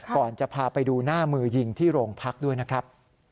ก่อนจะพาไปดูหน้ามือยิงที่โรงพักด้วยนะครับ